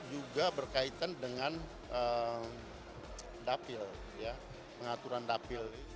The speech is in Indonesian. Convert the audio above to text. juga berkaitan dengan dapil pengaturan dapil